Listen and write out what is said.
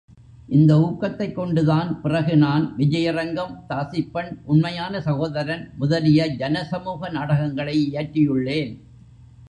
இந்த ஊக்கத்தைக் கொண்டுதான், பிறகு நான், விஜயரங்கம், தாசிப்பெண், உண்மையான சகோதரன் முதலிய ஜனசமூக நாடகங்களை இயற்றியுள்ளேன்.